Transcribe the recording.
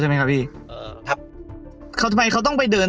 สุดท้ายก็ไม่มีทางเลือกที่ไม่มีทางเลือก